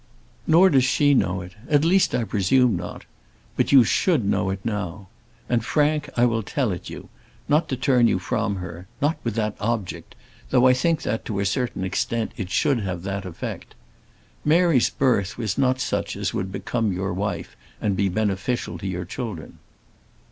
"Nor does she know it; at least, I presume not. But you should know it now. And, Frank, I will tell it you; not to turn you from her not with that object, though I think that, to a certain extent, it should have that effect. Mary's birth was not such as would become your wife and be beneficial to your children."